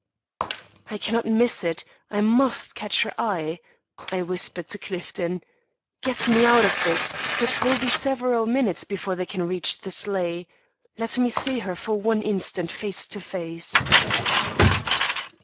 "I cannot miss it! I must catch her eye!" I whispered to Clifton. "Get me out of this; it will be several minutes before they can reach the sleigh. Let me see her, for one instant, face to face."